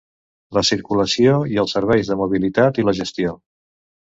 La circulació i els serveis de mobilitat i la gestió...